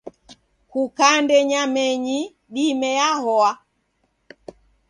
Kukande nyamenyi dime yahoa.